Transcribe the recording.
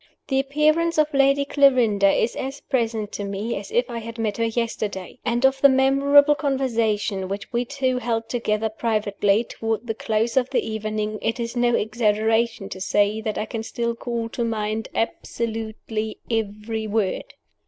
The appearance of Lady Clarinda is as present to me as if I had met her yesterday; and of the memorable conversation which we two held together privately, toward the close of the evening, it is no exaggeration to say that I can still call to mind almost every word.